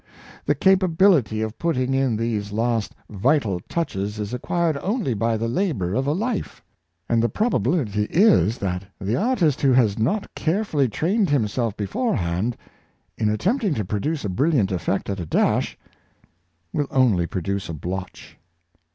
The capability of put ting in these last vital touches is acquired only by the labor of a Hfe; and the probability is, that the artist who has not carefully trained himself beforehand, in at tempting to produce a brilliant effect at a dash, will only produce a blotch.